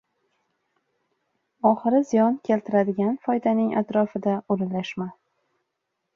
— Oxiri ziyon keltiradigan foydaning atrofida o‘ralashma.